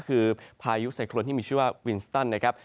คือพายุไซโครนที่มีชื่อว่าวินสตันนะครับ